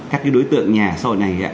các cái đối tượng nhà xã hội này